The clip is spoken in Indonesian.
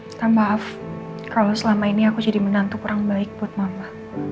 stand maaf kalau selama ini aku jadi menantu kurang baik buat mama